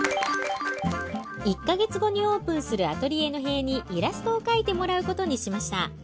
１か月後にオープンするアトリエの塀にイラストを描いてもらうことにしました。